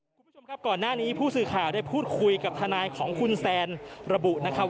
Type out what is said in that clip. คุณผู้ชมครับก่อนหน้านี้ผู้สื่อข่าวได้พูดคุยกับทนายของคุณแซนระบุนะครับ